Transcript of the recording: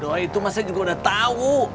doi itu masa juga udah tau